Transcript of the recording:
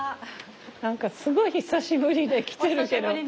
何かすごい久しぶりで来てるけど。